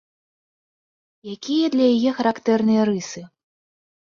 Якія для яе характэрныя рысы?